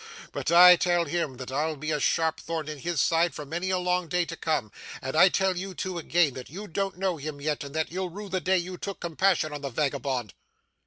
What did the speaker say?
But I tell him that I'll be a sharp thorn in his side for many a long day to come; and I tell you two, again, that you don't know him yet; and that you'll rue the day you took compassion on the vagabond.